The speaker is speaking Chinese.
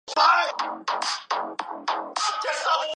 华人是这的主要经济动脉。